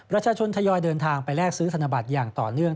ประชาชนทยอยเดินทางไปแลกซื้อธนบัตรอย่างต่อเนื่อง